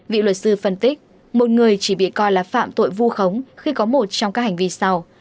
vị luật sư phân tích một người chỉ bị coi là phạm tội vu khống khi có một trong các hành vi sau